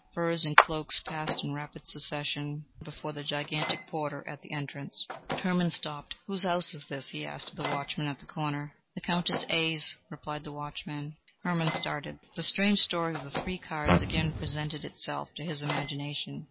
Furs and cloaks passed in rapid succession before the gigantic porter at the entrance. Hermann stopped. "Whose house is this?" he asked of the watchman at the corner. "The Countess A 's," replied the watchman. Hermann started. The strange story of the three cards again presented itself to his imagination.